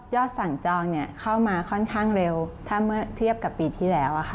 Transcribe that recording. สั่งจองเข้ามาค่อนข้างเร็วถ้าเมื่อเทียบกับปีที่แล้ว